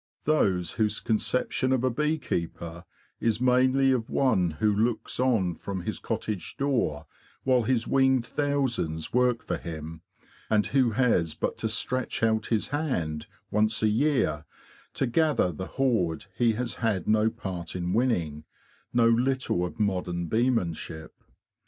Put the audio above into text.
Those whose conception of a bee keeper is mainly of one who looks on from his cottage door while his winged thousands work for him, and who has but to stretch out his hand once a year to gather the hoard he has had no part in winning, know little of modern beemanship.